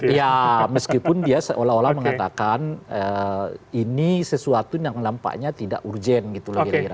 ya meskipun dia seolah olah mengatakan ini sesuatu yang melampaknya tidak urgen gitu lah